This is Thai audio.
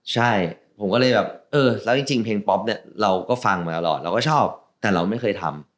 ใช่ผมก็เลยแบบเออแล้วจริงเพลงป๊อปเนี่ยเราก็ฟังมาตลอดเราก็ชอบแต่เราไม่เคยทำ